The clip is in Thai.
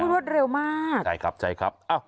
พูดว่าเร็วมากใช่ครับอ้าว